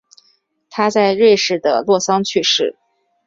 他在瑞士的洛桑去世。